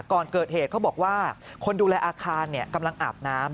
ก่อนเกิดเหตุเขาบอกว่าคนดูแลอาคารกำลังอาบน้ำ